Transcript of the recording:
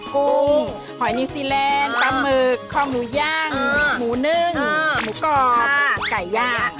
กุ้งหอยนิวซีแลนด์ปลาหมึกคอหมูย่างหมูนึ่งหมูกรอบไก่ย่าง